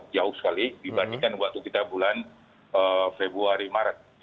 jauh sekali dibandingkan waktu kita bulan februari maret